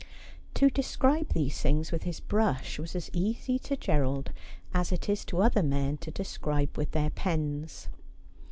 To describe these things with his brush was as easy to Gerald as it is to other men to describe with their pens.